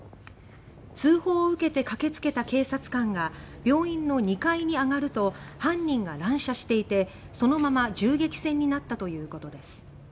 通報を受けて駆けつけた警察官が病院の２階に上がると犯人が乱射していてそのまま銃撃戦になったということです。